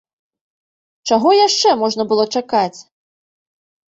Чаго яшчэ можна было чакаць!